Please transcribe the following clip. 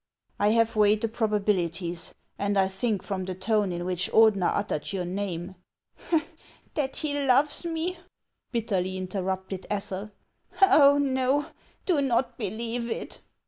" I have weighed the probabilities, and T think from the tone in which Ordener uttered your name —" That he loves me !" bitterly interrupted Ethel. " Oh, no ; do not believe it."